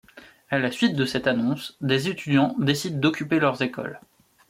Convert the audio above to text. À la suite de cette annonce des étudiants décident d'occuper leurs écoles.